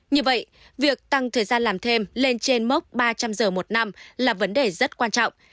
như vậy việc tăng thời gian làm thêm lên trên mốc ba trăm linh giờ một năm là vấn đề rất quan trọng